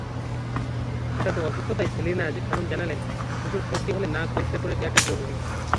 হঠাৎ অসুস্থতায়সেলিনা খানম জানালেন, শিশুর সর্দি হলে নাক পরিষ্কার করে দেওয়াটা জরুরি।